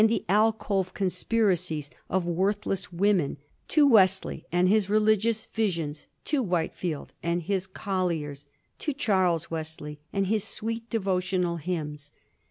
145 the alcove conspiracies of worthless women, to Wesley and his religious visions, to Whitefield and his colliers, to Charles Wesley and his sweet devotional hymns.